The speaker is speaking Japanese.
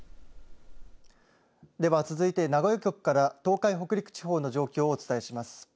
では続いて名古屋局から東海北陸地方の状況をお伝えします。